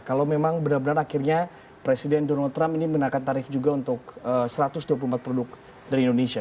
kalau memang benar benar akhirnya presiden donald trump ini menaikkan tarif juga untuk satu ratus dua puluh empat produk dari indonesia